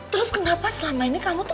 terus kenapa selama ini kamu tuh